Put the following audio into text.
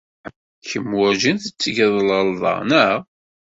Kemm werǧin tettged lɣelḍa, naɣ?